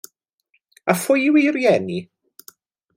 A phwy yw ei rhieni?